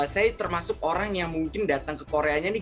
saya termasuk orang yang mungkin datang ke koreanya nih